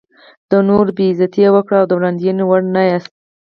د نورو بې عزتي وکړئ او د وړاندوینې وړ نه یاست.